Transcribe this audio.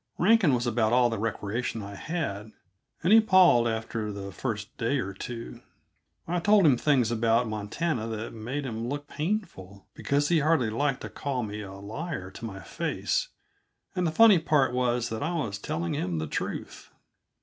Rankin was about all the recreation I had, and he palled after the first day or two. I told him things about Montana that made him look painful because he hardly liked to call me a liar to my face; and the funny part was that I was telling him the truth.